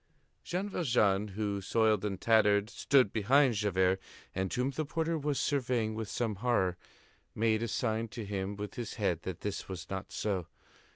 Jean Valjean, who, soiled and tattered, stood behind Javert, and whom the porter was surveying with some horror, made a sign to him with his head that this was not so.